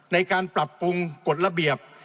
ในการปรับปรุงกฎระเบียบ